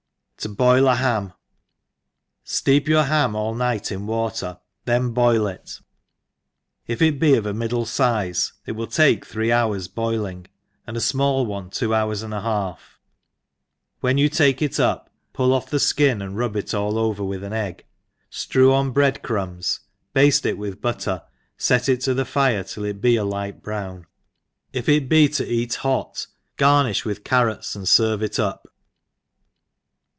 To boil a Ham. STEEP your ham all night in water, then boil iti if it be of a middle iize» it will take F 2 thret V fo / THE EXPERIENCED three hours boiling, and a fmall one two hours and a half; whee you take it tip^ pull off the ikin, and rub it all over with an egg^ flrew on Iffead crumbs, bafte it with butter, let it to the firfc till it be a light brown ; if it be to eat hot, ;^rhifli with carrots and fcrvc it up.